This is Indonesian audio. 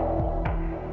koke banget gak sih